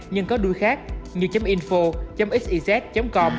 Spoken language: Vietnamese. nhưng có đuôi khác như info xyz com